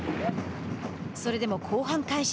それでも後半開始